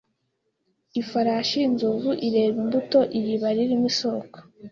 ifarashi inzovu ireba imbuto Iriba ririmo isoko